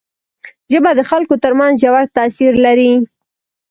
ژبه د خلکو تر منځ ژور تاثیر لري